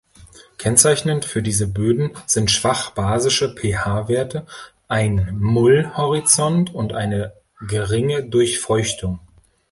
Kennzeichnend für diese Böden sind schwach basische pH-Werte, ein Mull-Horizont und eine geringe Durchfeuchtung.